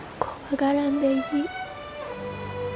怖がらんでいい。